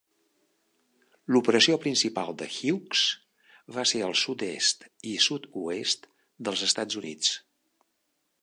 L'operació principal de Hughes va ser al sud-est i sud-oest dels Estats Units.